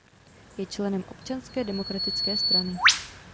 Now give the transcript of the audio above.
Je členem Občanské demokratické strany.